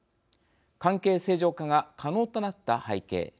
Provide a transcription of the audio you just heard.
関係正常化が可能となった背景。